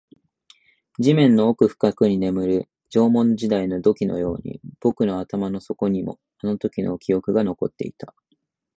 地面の奥深くに眠る縄文時代の土器のように、僕の頭の底にもあのときの記憶が残っていた